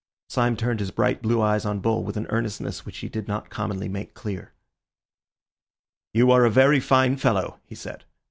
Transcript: Syme turned his bright blue eyes on Bull with an earnestness which he did not commonly make clear. "You are a very fine fellow," he said.